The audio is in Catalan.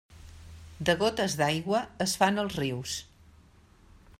De gotes d'aigua es fan els rius.